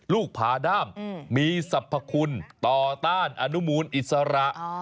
ผาด้ามมีสรรพคุณต่อต้านอนุมูลอิสระ